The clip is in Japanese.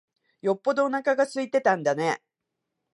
よっぽどおなか空いてたんだね。